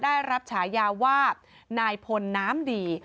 ได้รับฉายาว่านายพลน้ำดี